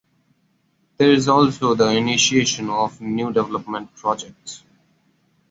There is also the initiation of new development projects.